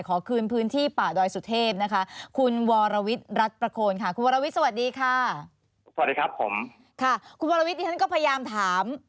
ขอคืนพื้นที่ป่าดอยสุเทพฯนะคะ